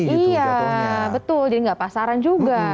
iya betul jadi nggak pasaran juga